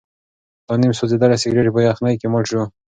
دا نیم سوځېدلی سګرټ په یخنۍ کې مړ شو.